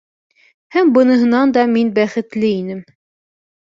Һәм бынынһан да мин бәхетле инем.